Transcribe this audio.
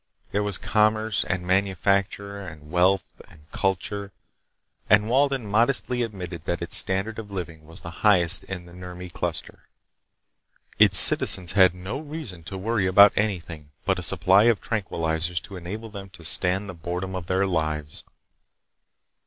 There was commerce and manufacture and wealth and culture, and Walden modestly admitted that its standard of living was the highest in the Nurmi Cluster. Its citizens had no reason to worry about anything but a supply of tranquilizers to enable them to stand the boredom of their lives.